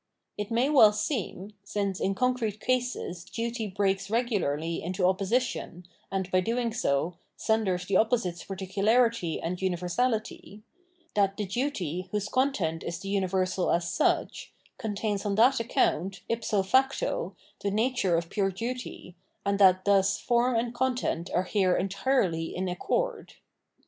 It may well seem — since in concrete cases duty breaks regularly into opposition, and, by doing so, sunders the opposites particularity and univer sality — that the duty, whose content is the universal as such, contains on that account, if so facto, the nature of pure duty, and that thus form and content are here entirely in accord.